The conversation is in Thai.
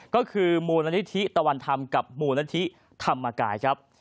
ก็คือมูลนิธิตะวันธรรมกับมูลนิธิธรรมกายครับ